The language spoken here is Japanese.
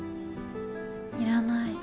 いらない。